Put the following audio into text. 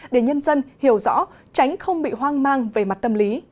để nhân dân hiểu rõ tránh không bị hoang mang về mặt tâm lý